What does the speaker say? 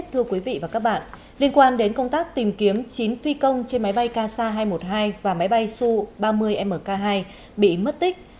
thưa quý vị và các bạn liên quan đến công tác tìm kiếm chín phi công trên máy bay kc hai trăm một mươi hai và máy bay su ba mươi mk hai bị mất tích